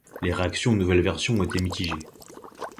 Les réactions aux nouvelles versions ont été mitigées.